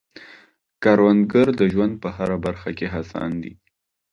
کروندګر د ژوند په هره برخه کې هڅاند دی